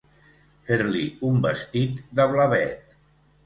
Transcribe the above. Fer-li un vestit de blavet.